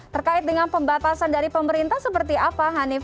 terkait dengan pembatasan dari pemerintah seperti apa hanif